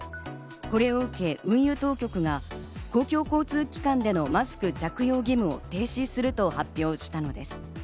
これを受け、運輸当局が公共交通機関でのマスク着用義務を停止すると発表したのです。